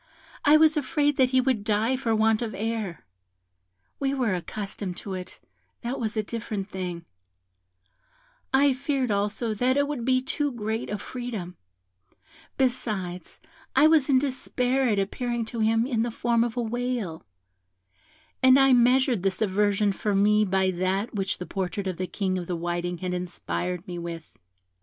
I was afraid that he would die for want of air; we were accustomed to it, that was a different thing; I feared also that it would be too great a freedom; besides, I was in despair at appearing to him in the form of a whale, and I measured his aversion for me by that which the portrait of the King of the Whiting had inspired me with.